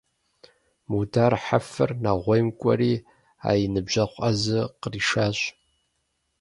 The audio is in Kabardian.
Мудар Хьэфэр Нэгъуейм кӀуэри а и ныбжьэгъу Ӏэзэр къришащ.